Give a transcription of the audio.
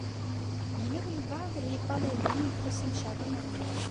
Yella walebɛaḍ i yeṭṭalayen Lḥusin n Caɛban u Ṛemḍan.